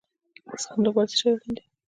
د زغم لپاره څه شی اړین دی؟